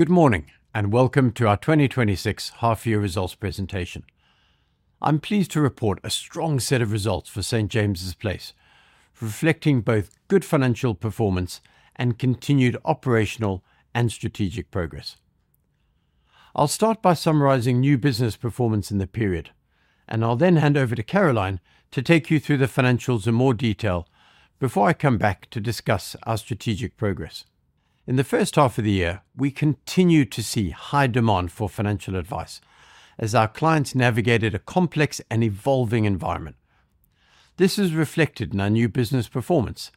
Good morning, welcome to our 2026 half year results presentation. I'm pleased to report a strong set of results for St. James's Place, reflecting both good financial performance and continued operational and strategic progress. I'll start by summarizing new business performance in the period, and I'll then hand over to Caroline to take you through the financials in more detail before I come back to discuss our strategic progress. In the first half of the year, we continued to see high demand for financial advice as our clients navigated a complex and evolving environment. This is reflected in our new business performance.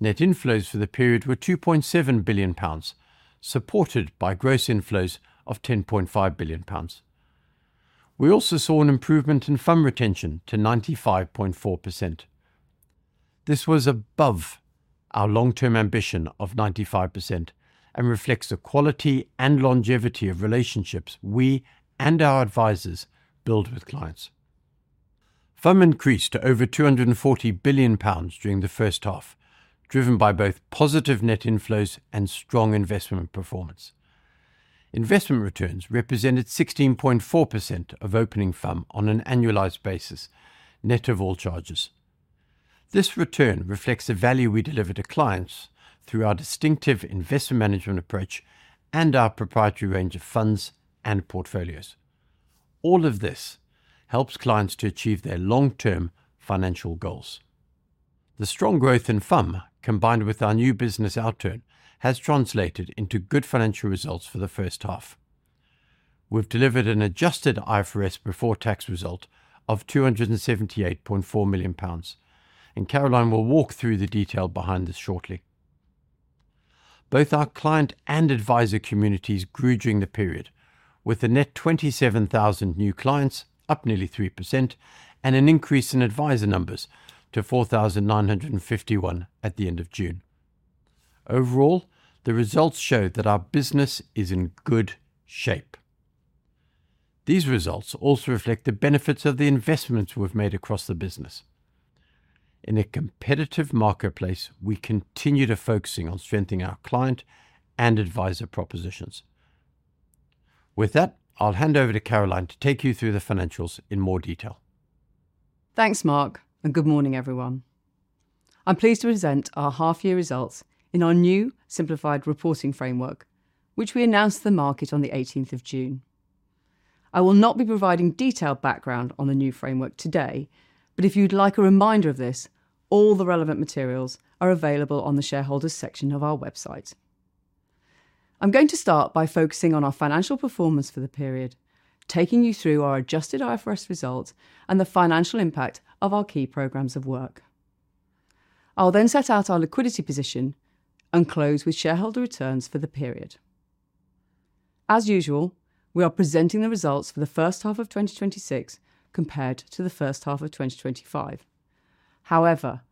Net inflows for the period were 2.7 billion pounds, supported by gross inflows of 10.5 billion pounds. We also saw an improvement in FUM retention to 95.4%. This was above our long-term ambition of 95% and reflects the quality and longevity of relationships we and our advisors build with clients. FUM increased to over 240 billion pounds during the first half, driven by both positive net inflows and strong investment performance. Investment returns represented 16.4% of opening FUM on an annualized basis, net of all charges. This return reflects the value we deliver to clients through our distinctive investment management approach and our proprietary range of funds and portfolios. All of this helps clients to achieve their long-term financial goals. The strong growth in FUM, combined with our new business outturn, has translated into good financial results for the first half. We've delivered an adjusted IFRS before tax result of 278.4 million pounds, and Caroline will walk through the detail behind this shortly. Both our client and advisor communities grew during the period, with a net 27,000 new clients, up nearly 3%, and an increase in advisor numbers to 4,951 at the end of June. Overall, the results show that our business is in good shape. These results also reflect the benefits of the investments we've made across the business. In a competitive marketplace, we continue to focusing on strengthening our client and advisor propositions. With that, I'll hand over to Caroline to take you through the financials in more detail. Thanks, Mark, good morning, everyone. I'm pleased to present our half year results in our new simplified reporting framework, which we announced to the market on the 18th of June. I will not be providing detailed background on the new framework today, but if you'd like a reminder of this, all the relevant materials are available on the shareholders section of our website. I'm going to start by focusing on our financial performance for the period, taking you through our adjusted IFRS results and the financial impact of our key programs of work. I'll set out our liquidity position and close with shareholder returns for the period. As usual, we are presenting the results for the first half of 2026 compared to the first half of 2025. The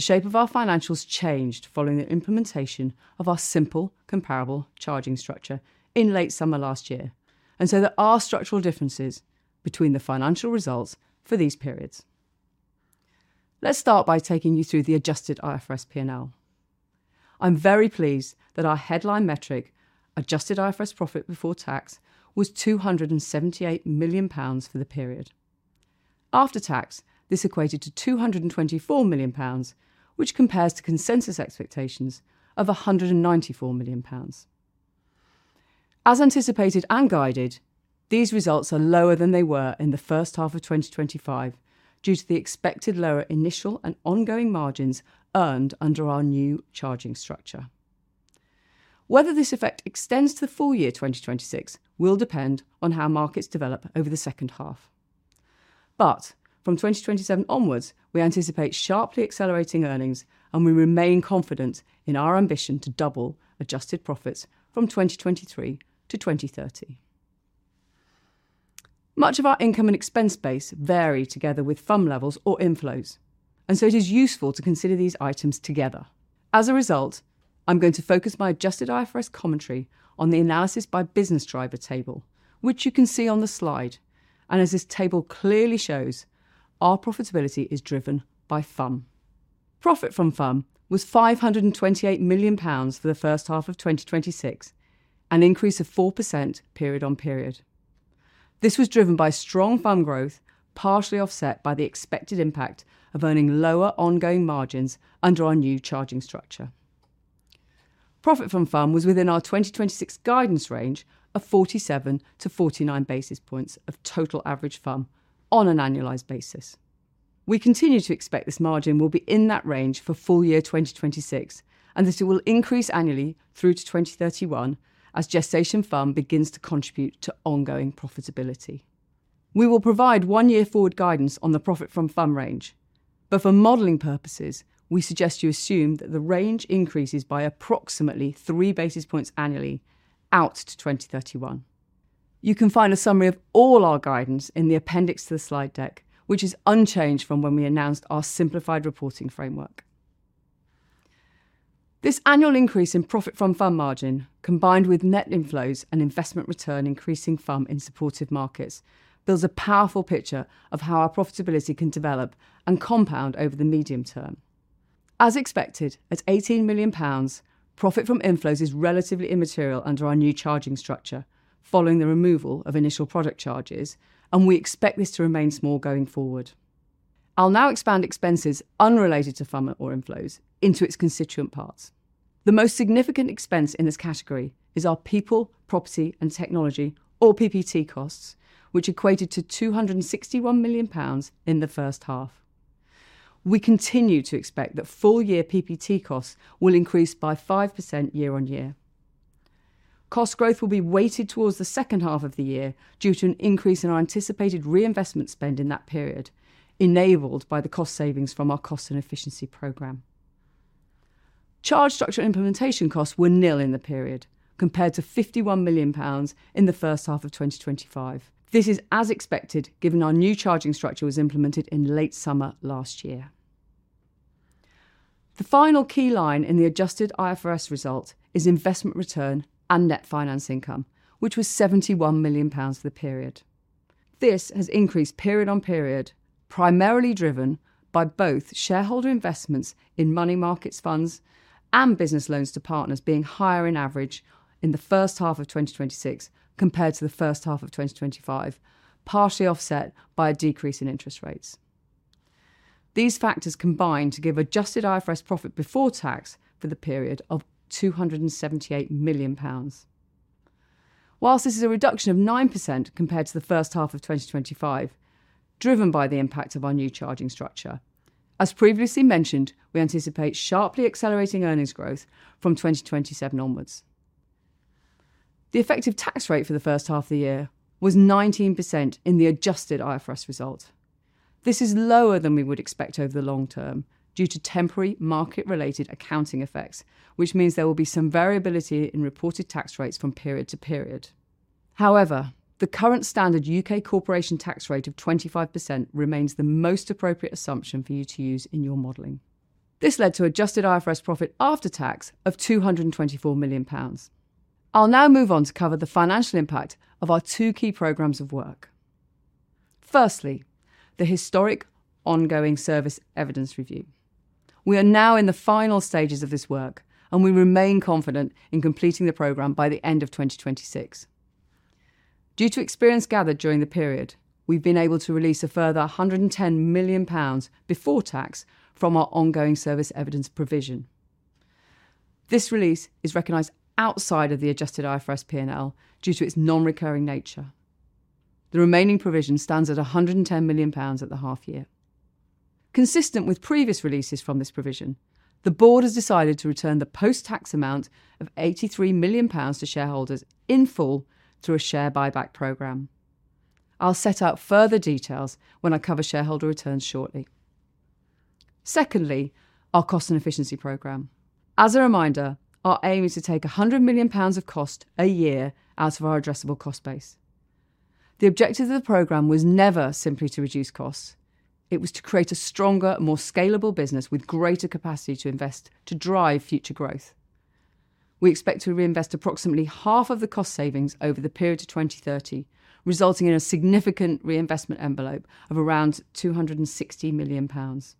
shape of our financials changed following the implementation of our simple comparable charging structure in late summer last year, there are structural differences between the financial results for these periods. Let's start by taking you through the adjusted IFRS P&L. I am very pleased that our headline metric, adjusted IFRS profit before tax, was 278 million pounds for the period. After tax, this equated to 224 million pounds, which compares to consensus expectations of 194 million pounds. As anticipated and guided, these results are lower than they were in the first half of 2025 due to the expected lower initial and ongoing margins earned under our new charging structure. Whether this effect extends to the full year 2026 will depend on how markets develop over the second half. From 2027 onwards, we anticipate sharply accelerating earnings, and we remain confident in our ambition to double adjusted profits from 2023 to 2030. Much of our income and expense base vary together with FUM levels or inflows, it is useful to consider these items together. As a result, I am going to focus my adjusted IFRS commentary on the analysis by business driver table, which you can see on the slide. As this table clearly shows, our profitability is driven by FUM. Profit from FUM was 528 million pounds for the first half of 2026, an increase of 4% period on period. This was driven by strong FUM growth, partially offset by the expected impact of earning lower ongoing margins under our new charging structure. Profit from FUM was within our 2026 guidance range of 47 to 49 basis points of total average FUM on an annualized basis. We continue to expect this margin will be in that range for full year 2026 and that it will increase annually through to 2031 as gestation FUM begins to contribute to ongoing profitability. We will provide one-year forward guidance on the profit from FUM range. For modeling purposes, we suggest you assume that the range increases by approximately three basis points annually out to 2031. You can find a summary of all our guidance in the appendix to the slide deck, which is unchanged from when we announced our simplified reporting framework. This annual increase in profit from FUM margin, combined with net inflows and investment return increasing FUM in supportive markets, builds a powerful picture of how our profitability can develop and compound over the medium term. As expected, at 18 million pounds, profit from inflows is relatively immaterial under our new charging structure following the removal of initial product charges, we expect this to remain small going forward. I will now expand expenses unrelated to fund or inflows into its constituent parts. The most significant expense in this category is our people, property, and technology, or PPT costs, which equated to 261 million pounds in the first half. We continue to expect that full-year PPT costs will increase by 5% year-on-year. Cost growth will be weighted towards the second half of the year due to an increase in our anticipated reinvestment spend in that period, enabled by the cost savings from our Cost and Efficiency program. Charge structure implementation costs were nil in the period, compared to 51 million pounds in the first half of 2025. This is as expected given our new charging structure was implemented in late summer last year. The final key line in the adjusted IFRS result is investment return and net finance income, which was 71 million pounds for the period. This has increased period on period, primarily driven by both shareholder investments in money markets funds, and business loans to partners being higher on average in the first half of 2026 compared to the first half of 2025, partially offset by a decrease in interest rates. These factors combine to give adjusted IFRS profit before tax for the period of 278 million pounds. Whilst this is a reduction of 9% compared to the first half of 2025, driven by the impact of our new charging structure. As previously mentioned, we anticipate sharply accelerating earnings growth from 2027 onwards. The effective tax rate for the first half of the year was 19% in the adjusted IFRS result. This is lower than we would expect over the long term due to temporary market-related accounting effects, which means there will be some variability in reported tax rates from period to period. However, the current standard U.K. corporation tax rate of 25% remains the most appropriate assumption for you to use in your modeling. This led to adjusted IFRS profit after tax of 224 million pounds. I'll now move on to cover the financial impact of our two key programs of work. Firstly, the Historic Ongoing Service Evidence Review. We are now in the final stages of this work, and we remain confident in completing the program by the end of 2026. Due to experience gathered during the period, we've been able to release a further 110 million pounds before tax from our ongoing service evidence provision. This release is recognized outside of the adjusted IFRS P&L due to its non-recurring nature. The remaining provision stands at 110 million pounds at the half year. Consistent with previous releases from this provision, the board has decided to return the post-tax amount of 83 million pounds to shareholders in full through a share buyback program. I'll set out further details when I cover shareholder returns shortly. Secondly, our Cost and Efficiency program. As a reminder, our aim is to take 100 million pounds of cost a year out of our addressable cost base. The objective of the program was never simply to reduce costs. It was to create a stronger, more scalable business with greater capacity to invest to drive future growth. We expect to reinvest approximately half of the cost savings over the period to 2030, resulting in a significant reinvestment envelope of around 260 million pounds.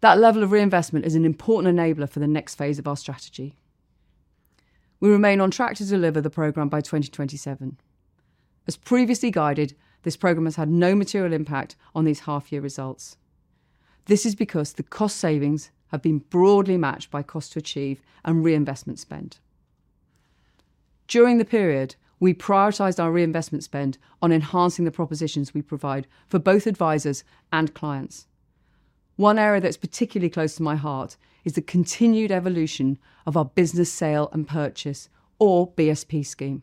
That level of reinvestment is an important enabler for the next phase of our strategy. We remain on track to deliver the program by 2027. As previously guided, this program has had no material impact on these half year results. This is because the cost savings have been broadly matched by cost to achieve and reinvestment spend. During the period, we prioritized our reinvestment spend on enhancing the propositions we provide for both advisers and clients. One area that's particularly close to my heart is the continued evolution of our business sale and purchase, or BSP scheme.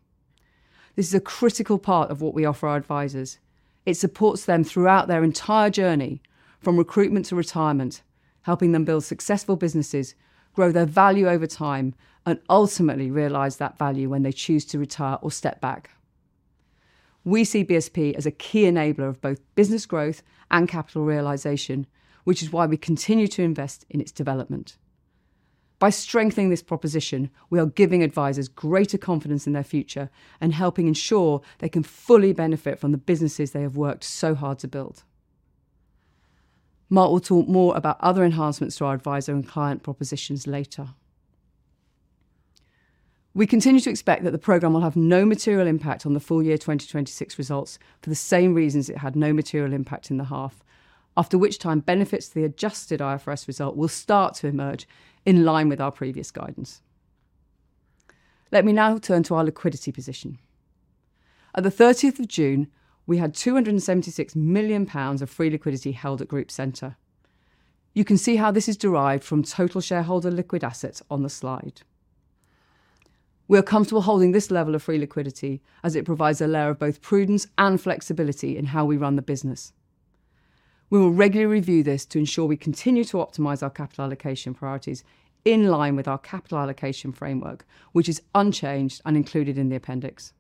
This is a critical part of what we offer our advisers. It supports them throughout their entire journey from recruitment to retirement, helping them build successful businesses, grow their value over time, and ultimately realize that value when they choose to retire or step back. We see BSP as a key enabler of both business growth and capital realization, which is why we continue to invest in its development. By strengthening this proposition, we are giving advisors greater confidence in their future and helping ensure they can fully benefit from the businesses they have worked so hard to build. Mark will talk more about other enhancements to our advisor and client propositions later. We continue to expect that the program will have no material impact on the full-year 2026 results for the same reasons it had no material impact in the half, after which time benefits to the adjusted IFRS result will start to emerge in line with our previous guidance. Let me now turn to our liquidity position. At the 30th of June, we had 276 million pounds of free liquidity held at group center. You can see how this is derived from total shareholder liquid assets on the slide. We are comfortable holding this level of free liquidity as it provides a layer of both prudence and flexibility in how we run the business. We will regularly review this to ensure we continue to optimize our capital allocation priorities in line with our capital allocation framework, which is unchanged and included in the appendix.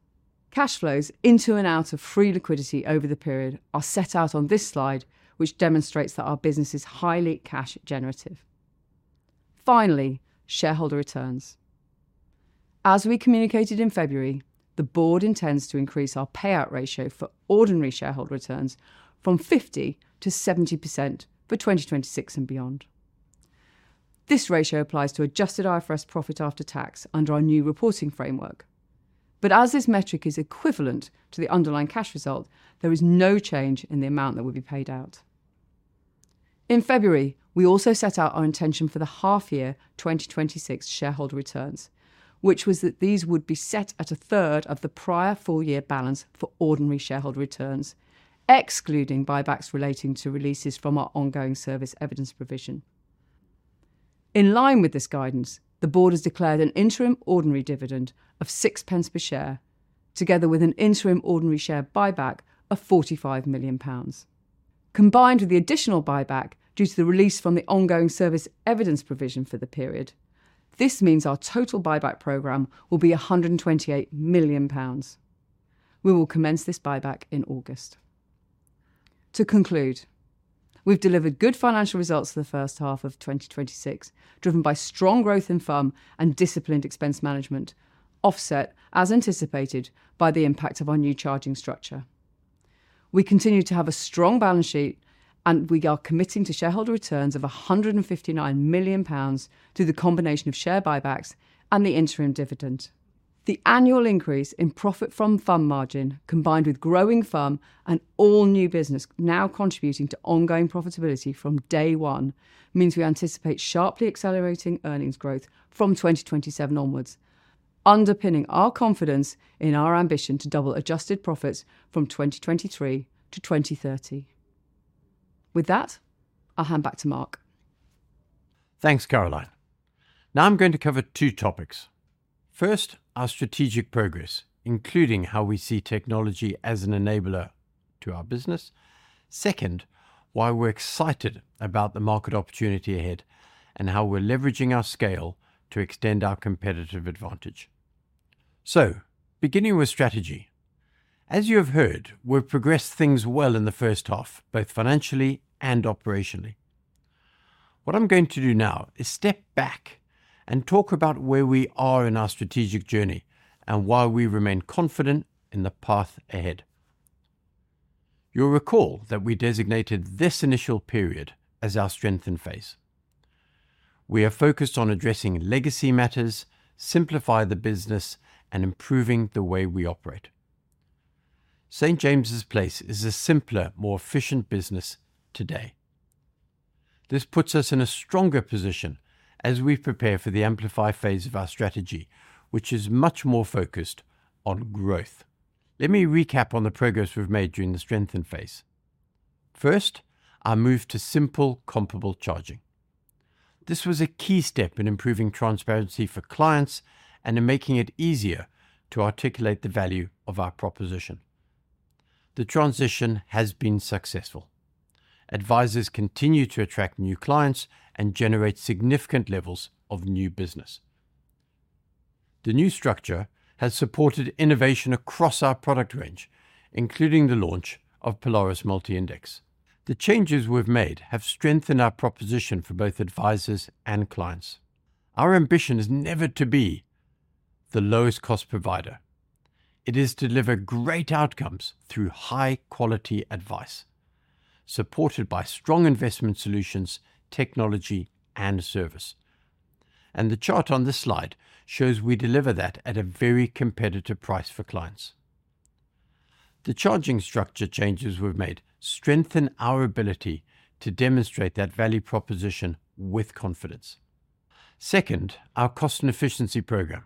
Cash flows into and out of free liquidity over the period are set out on this slide, which demonstrates that our business is highly cash generative. Finally, shareholder returns. As we communicated in February, the board intends to increase our payout ratio for ordinary shareholder returns from 50% to 70% for 2026 and beyond. This ratio applies to adjusted IFRS profit after tax under our new reporting framework. As this metric is equivalent to the underlying cash result, there is no change in the amount that will be paid out. In February, we also set out our intention for the half year 2026 shareholder returns, which was that these would be set at a third of the prior four-year balance for ordinary shareholder returns, excluding buybacks relating to releases from our ongoing service evidence provision. In line with this guidance, the board has declared an interim ordinary dividend of 0.06 per share, together with an interim ordinary share buyback of 45 million pounds. Combined with the additional buyback due to the release from the ongoing service evidence provision for the period, this means our total buyback program will be 128 million pounds. We will commence this buyback in August. To conclude, we've delivered good financial results for the first half of 2026, driven by strong growth in FUM and disciplined expense management, offset, as anticipated, by the impact of our new charging structure. We continue to have a strong balance sheet, we are committing to shareholder returns of 159 million pounds through the combination of share buybacks and the interim dividend. The annual increase in profit from FUM margin, combined with growing FUM and all new business now contributing to ongoing profitability from day one, means we anticipate sharply accelerating earnings growth from 2027 onwards, underpinning our confidence in our ambition to double adjusted profits from 2023-2030. With that, I'll hand back to Mark. Thanks, Caroline. I'm going to cover two topics. First, our strategic progress, including how we see technology as an enabler to our business. Second, why we're excited about the market opportunity ahead, and how we're leveraging our scale to extend our competitive advantage. Beginning with strategy. As you have heard, we've progressed things well in the first half, both financially and operationally. What I'm going to do now is step back and talk about where we are in our strategic journey and why we remain confident in the path ahead. You'll recall that we designated this initial period as our Strengthen phase. We are focused on addressing legacy matters, simplify the business, and improving the way we operate. St. James's Place is a simpler, more efficient business today. This puts us in a stronger position as we prepare for the Amplify phase of our strategy, which is much more focused on growth. Let me recap on the progress we've made during the Strengthen phase. First, our move to simple comparable charging. This was a key step in improving transparency for clients and in making it easier to articulate the value of our proposition. The transition has been successful. Advisers continue to attract new clients and generate significant levels of new business. The new structure has supported innovation across our product range, including the launch of Polaris Multi-Index. The changes we've made have strengthened our proposition for both advisers and clients. Our ambition is never to be the lowest cost provider. It is to deliver great outcomes through high-quality advice, supported by strong investment solutions, technology, and service. The chart on this slide shows we deliver that at a very competitive price for clients. The charging structure changes we've made strengthen our ability to demonstrate that value proposition with confidence. Second, our Cost and Efficiency program.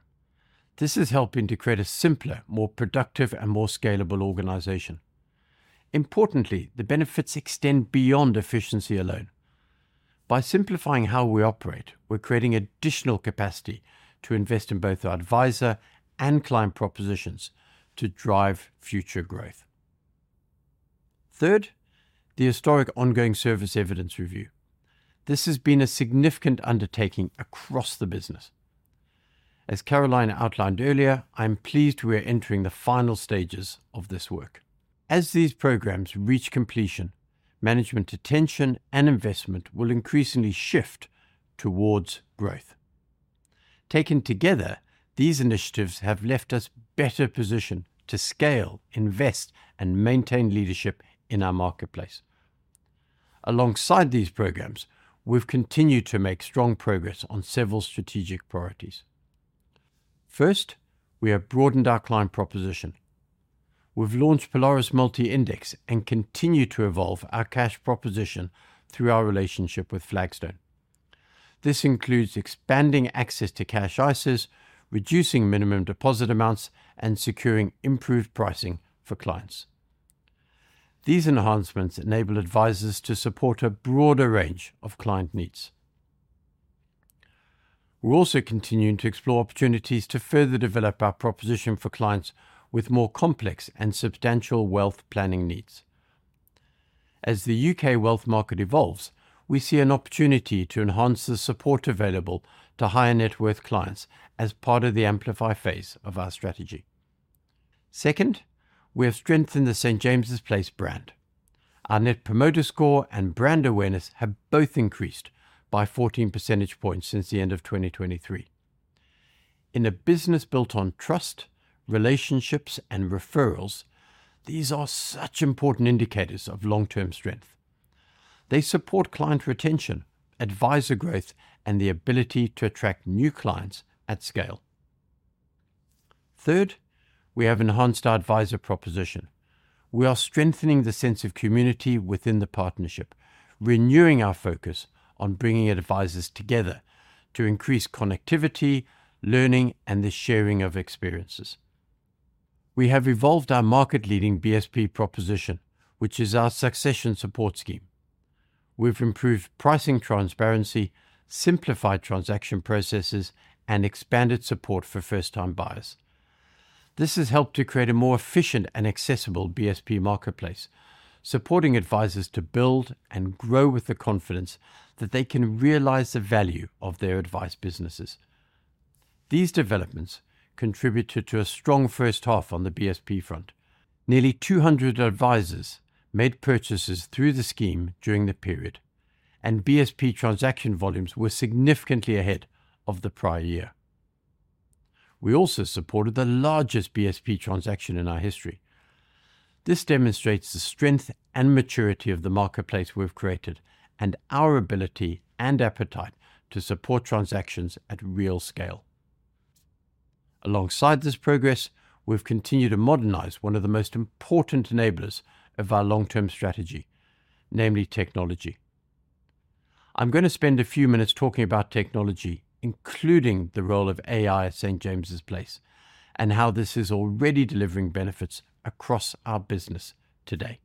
This is helping to create a simpler, more productive, and more scalable organization. Importantly, the benefits extend beyond efficiency alone. By simplifying how we operate, we're creating additional capacity to invest in both our adviser and client propositions to drive future growth. Third, the Historic Ongoing Service Evidence Review. This has been a significant undertaking across the business. As Caroline outlined earlier, I am pleased we are entering the final stages of this work. As these programs reach completion, management attention and investment will increasingly shift towards growth. Taken together, these initiatives have left us better positioned to scale, invest, and maintain leadership in our marketplace. Alongside these programs, we've continued to make strong progress on several strategic priorities. First, we have broadened our client proposition. We've launched Polaris Multi-Index and continue to evolve our cash proposition through our relationship with Flagstone. This includes expanding access to cash ISAs, reducing minimum deposit amounts, and securing improved pricing for clients. These enhancements enable advisers to support a broader range of client needs. We're also continuing to explore opportunities to further develop our proposition for clients with more complex and substantial wealth planning needs. As the U.K. wealth market evolves, we see an opportunity to enhance the support available to higher net worth clients as part of the Amplify phase of our strategy. Second, we have strengthened the St. James's Place brand. Our Net Promoter Score and brand awareness have both increased by 14 percentage points since the end of 2023. In a business built on trust, relationships, and referrals, these are such important indicators of long-term strength. They support client retention, adviser growth, and the ability to attract new clients at scale. Third, we have enhanced our adviser proposition. We are strengthening the sense of community within the partnership, renewing our focus on bringing our advisers together to increase connectivity, learning, and the sharing of experiences. We have evolved our market-leading BSP proposition, which is our succession support scheme. We've improved pricing transparency, simplified transaction processes, and expanded support for first-time buyers. This has helped to create a more efficient and accessible BSP marketplace, supporting advisers to build and grow with the confidence that they can realize the value of their advice businesses. These developments contributed to a strong first half on the BSP front. Nearly 200 advisers made purchases through the scheme during the period. BSP transaction volumes were significantly ahead of the prior year. We also supported the largest BSP transaction in our history. This demonstrates the strength and maturity of the marketplace we've created and our ability and appetite to support transactions at real scale. Alongside this progress, we've continued to modernize one of the most important enablers of our long-term strategy, namely technology. I'm going to spend a few minutes talking about technology, including the role of AI at St. James's Place, and how this is already delivering benefits across our business today.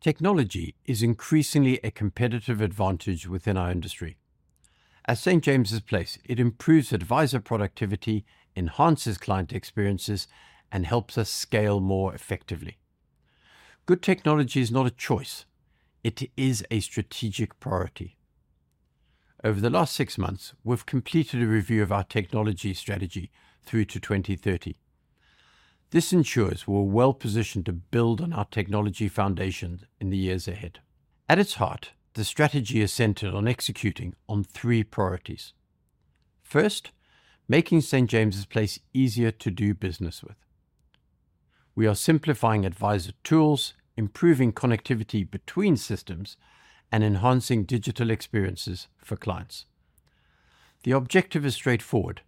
Technology is increasingly a competitive advantage within our industry. At St. James's Place, it improves adviser productivity, enhances client experiences, and helps us scale more effectively. Good technology is not a choice. It is a strategic priority. Over the last six months, we've completed a review of our technology strategy through to 2030. This ensures we're well-positioned to build on our technology foundation in the years ahead. At its heart, the strategy is centered on executing on three priorities. First, making St. James's Place easier to do business with. We are simplifying adviser tools, improving connectivity between systems, and enhancing digital experiences for clients. The objective is straightforward.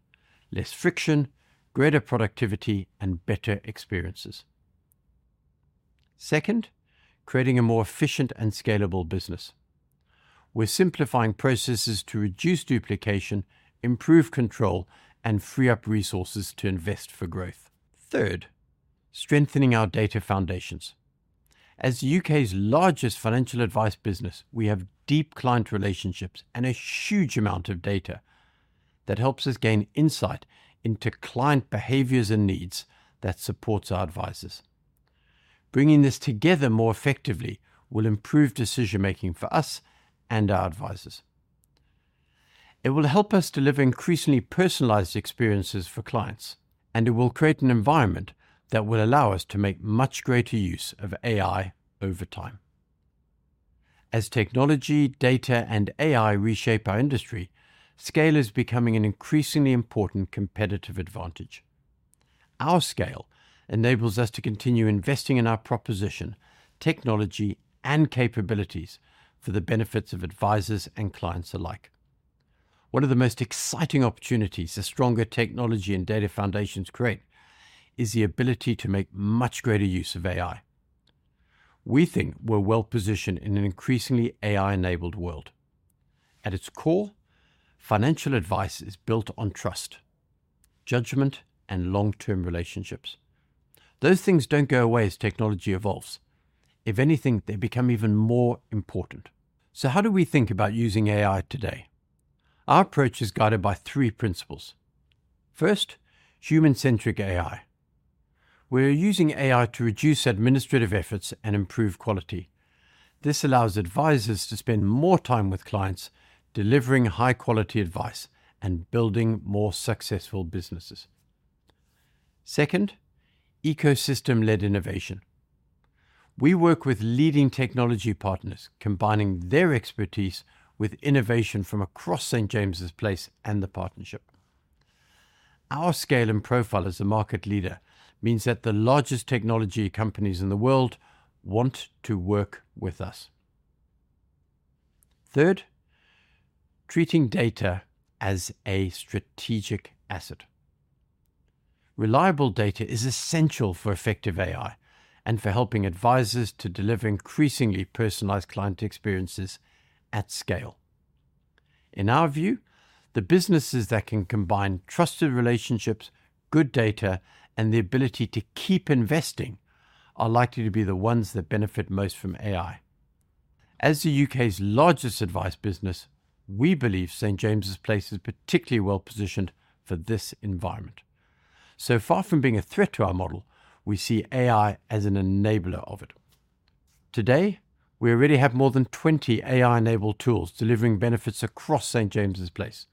Less friction, greater productivity, and better experiences. Second, creating a more efficient and scalable business. We're simplifying processes to reduce duplication, improve control, and free up resources to invest for growth. Third, strengthening our data foundations. As the U.K.'s largest financial advice business, we have deep client relationships and a huge amount of data that helps us gain insight into client behaviors and needs that supports our advisers. Bringing this together more effectively will improve decision-making for us and our advisers. It will help us deliver increasingly personalized experiences for clients, and it will create an environment that will allow us to make much greater use of AI over time. As technology, data, and AI reshape our industry, scale is becoming an increasingly important competitive advantage. Our scale enables us to continue investing in our proposition, technology, and capabilities for the benefits of advisers and clients alike. One of the most exciting opportunities a stronger technology and data foundations create is the ability to make much greater use of AI. We think we're well-positioned in an increasingly AI-enabled world. At its core, financial advice is built on trust, judgment, and long-term relationships. Those things don't go away as technology evolves. If anything, they become even more important. How do we think about using AI today? Our approach is guided by three principles. First, human-centric AI. We are using AI to reduce administrative efforts and improve quality. This allows advisers to spend more time with clients, delivering high-quality advice and building more successful businesses. Second, ecosystem-led innovation. We work with leading technology partners, combining their expertise with innovation from across St. James's Place and the partnership. Our scale and profile as a market leader means that the largest technology companies in the world want to work with us. Third, treating data as a strategic asset. Reliable data is essential for effective AI and for helping advisers to deliver increasingly personalized client experiences at scale. In our view, the businesses that can combine trusted relationships, good data, and the ability to keep investing are likely to be the ones that benefit most from AI. As the U.K.'s largest advice business, we believe St. James's Place is particularly well-positioned for this environment. Far from being a threat to our model, we see AI as an enabler of it. Today, we already have more than 20 AI-enabled tools delivering benefits across St. James's Place.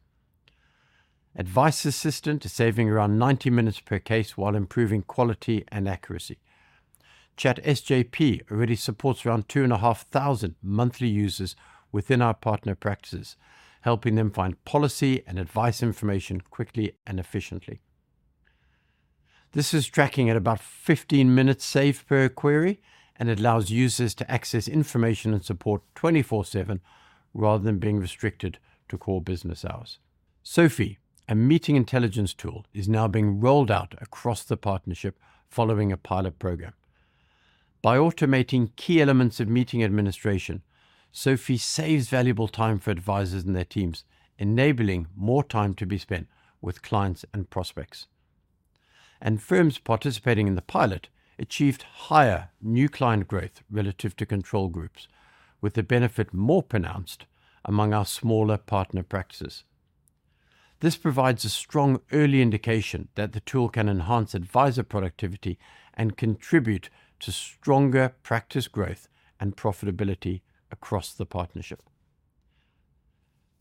Advice Assistant is saving around 90 minutes per case while improving quality and accuracy. ChatSJP already supports around 2,500 monthly users within our partner practices, helping them find policy and advice information quickly and efficiently. This is tracking at about 15 minutes save per query and allows users to access information and support 24/7 rather than being restricted to core business hours. SOFI, a meeting intelligence tool, is now being rolled out across the partnership following a pilot program. By automating key elements of meeting administration, SOFI saves valuable time for advisers and their teams, enabling more time to be spent with clients and prospects. Firms participating in the pilot achieved higher new client growth relative to control groups, with the benefit more pronounced among our smaller partner practices. This provides a strong early indication that the tool can enhance adviser productivity and contribute to stronger practice growth and profitability across the partnership.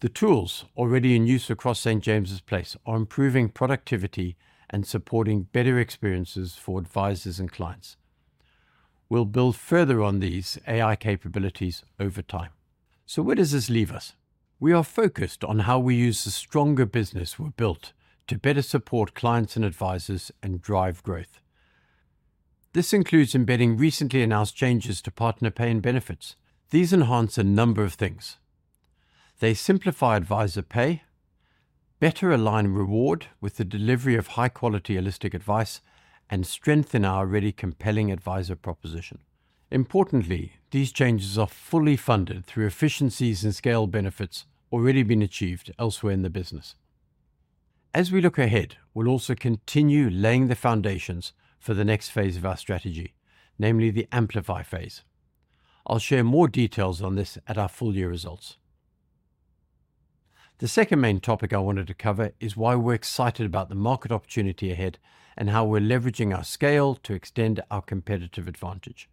The tools already in use across St. James's Place are improving productivity and supporting better experiences for advisers and clients. We'll build further on these AI capabilities over time. Where does this leave us? We are focused on how we use the stronger business we've built to better support clients and advisers and drive growth. This includes embedding recently announced changes to partner pay and benefits. These enhance a number of things. They simplify adviser pay, better align reward with the delivery of high-quality holistic advice, and strengthen our already compelling adviser proposition. Importantly, these changes are fully funded through efficiencies and scale benefits already been achieved elsewhere in the business. As we look ahead, we'll also continue laying the foundations for the next phase of our strategy, namely the Amplify phase. I'll share more details on this at our full year results. The second main topic I wanted to cover is why we're excited about the market opportunity ahead and how we're leveraging our scale to extend our competitive advantage.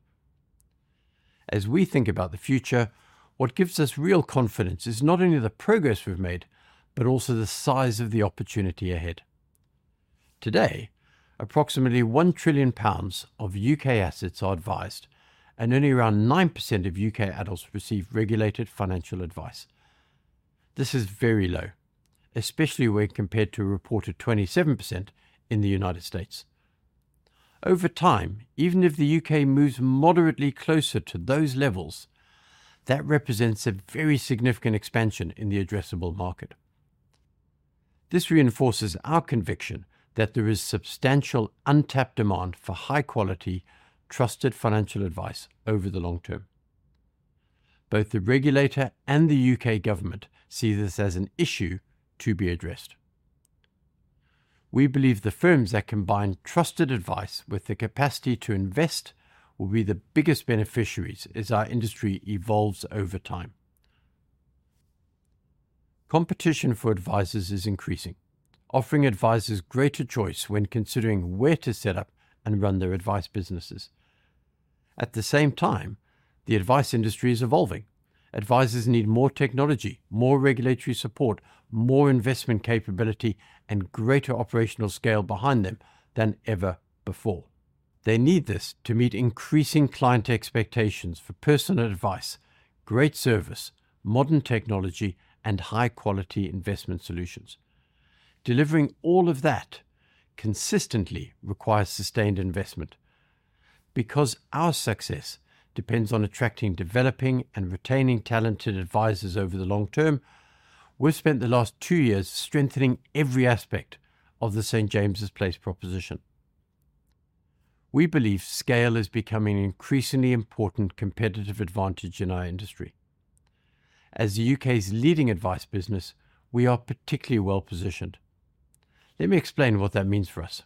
As we think about the future, what gives us real confidence is not only the progress we've made, but also the size of the opportunity ahead. Today, approximately 1 trillion pounds of U.K. assets are advised, and only around 9% of U.K. adults receive regulated financial advice. This is very low, especially when compared to a reported 27% in the U.S. Over time, even if the U.K. moves moderately closer to those levels, that represents a very significant expansion in the addressable market. This reinforces our conviction that there is substantial untapped demand for high-quality, trusted financial advice over the long-term. Both the regulator and the U.K. government see this as an issue to be addressed. We believe the firms that combine trusted advice with the capacity to invest will be the biggest beneficiaries as our industry evolves over time. Competition for advisers is increasing, offering advisers greater choice when considering where to set up and run their advice businesses. At the same time, the advice industry is evolving. Advisers need more technology, more regulatory support, more investment capability, and greater operational scale behind them than ever before. They need this to meet increasing client expectations for personal advice, great service, modern technology, and high-quality investment solutions. Delivering all of that consistently requires sustained investment. Because our success depends on attracting, developing, and retaining talented advisers over the long-term, we've spent the last two years strengthening every aspect of the St. James's Place proposition. We believe scale is becoming an increasingly important competitive advantage in our industry. As the U.K.'s leading advice business, we are particularly well-positioned. Let me explain what that means for us.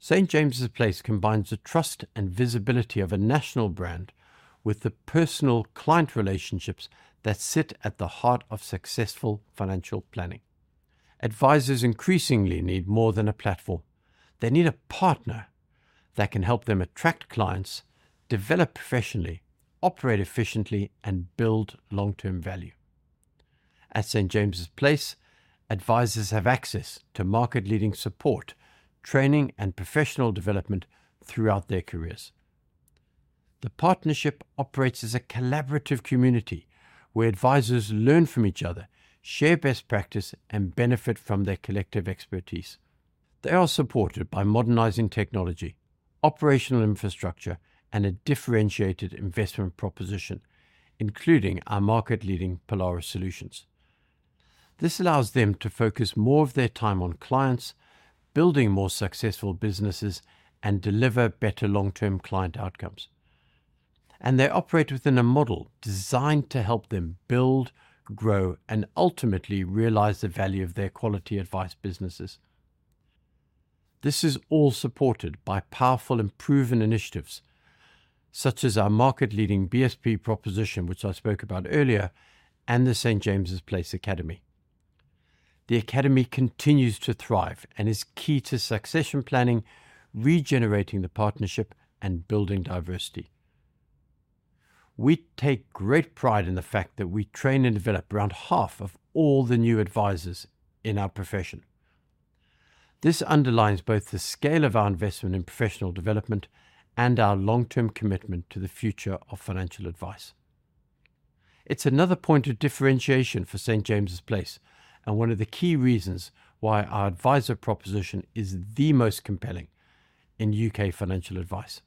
St. James's Place combines the trust and visibility of a national brand with the personal client relationships that sit at the heart of successful financial planning. Advisers increasingly need more than a platform. They need a partner that can help them attract clients, develop professionally, operate efficiently, and build long-term value. At St. James's Place, advisers have access to market-leading support, training, and professional development throughout their careers. The partnership operates as a collaborative community where advisers learn from each other, share best practice, and benefit from their collective expertise. They are supported by modernizing technology, operational infrastructure, and a differentiated investment proposition, including our market-leading Polaris solutions. This allows them to focus more of their time on clients, building more successful businesses, and deliver better long-term client outcomes. They operate within a model designed to help them build, grow, and ultimately realize the value of their quality advice businesses. This is all supported by powerful and proven initiatives such as our market-leading BSP proposition, which I spoke about earlier, and the St. James's Place Academy. The academy continues to thrive and is key to succession planning, regenerating the partnership, and building diversity. We take great pride in the fact that we train and develop around half of all the new advisers in our profession. This underlines both the scale of our investment in professional development and our long-term commitment to the future of financial advice. It's another point of differentiation for St. James's Place and one of the key reasons why our adviser proposition is the most compelling in U.K. financial advice.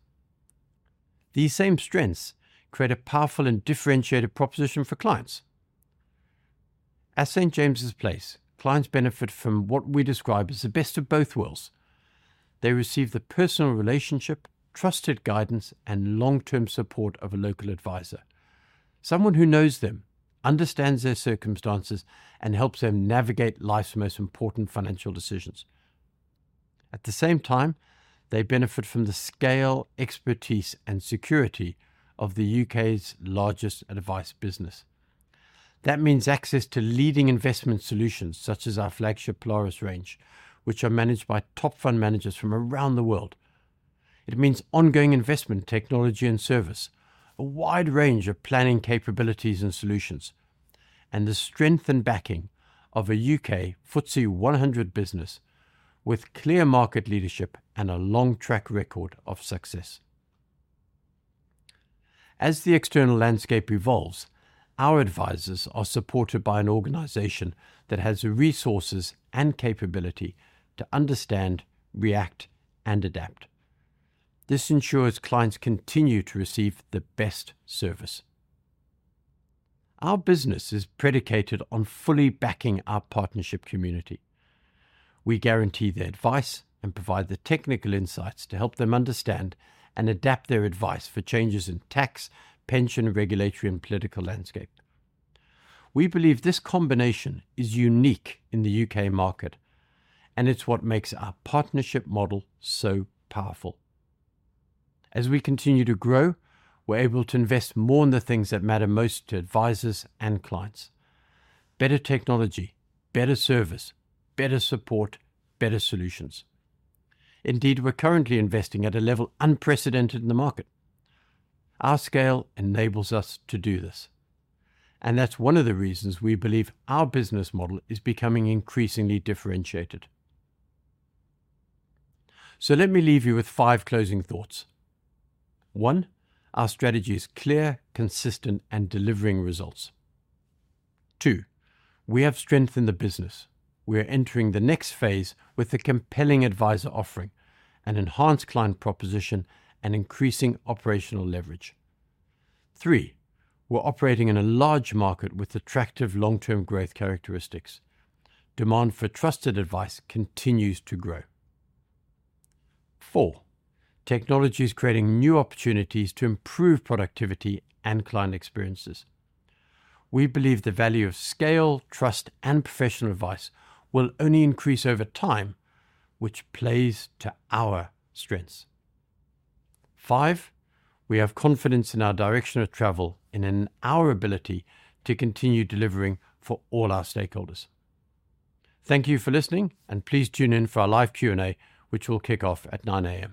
These same strengths create a powerful and differentiated proposition for clients. At St. James's Place, clients benefit from what we describe as the best of both worlds. They receive the personal relationship, trusted guidance, and long-term support of a local adviser, someone who knows them, understands their circumstances, and helps them navigate life's most important financial decisions. At the same time, they benefit from the scale, expertise, and security of the U.K.'s largest advice business. That means access to leading investment solutions such as our flagship Polaris range, which are managed by top fund managers from around the world. It means ongoing investment technology and service, a wide range of planning capabilities and solutions, and the strength and backing of a U.K. FTSE 100 business with clear market leadership and a long track record of success. As the external landscape evolves, our advisors are supported by an organization that has the resources and capability to understand, react, and adapt. This ensures clients continue to receive the best service. Our business is predicated on fully backing our partnership community. We guarantee their advice and provide the technical insights to help them understand and adapt their advice for changes in tax, pension, regulatory, and political landscape. We believe this combination is unique in the U.K. market, and it's what makes our partnership model so powerful. As we continue to grow, we're able to invest more in the things that matter most to advisors and clients. Better technology, better service, better support, better solutions. Indeed, we're currently investing at a level unprecedented in the market. Our scale enables us to do this, and that's one of the reasons we believe our business model is becoming increasingly differentiated. Let me leave you with five closing thoughts. One, our strategy is clear, consistent, and delivering results. Two, we have strength in the business. We are entering the next phase with a compelling advisor offering, an enhanced client proposition, and increasing operational leverage. Three, we're operating in a large market with attractive long-term growth characteristics. Demand for trusted advice continues to grow. Four, technology is creating new opportunities to improve productivity and client experiences. We believe the value of scale, trust, and professional advice will only increase over time, which plays to our strengths. Five, we have confidence in our direction of travel and in our ability to continue delivering for all our stakeholders. Thank you for listening, and please tune in for our live Q&A, which will kick off at 9:00 A.M.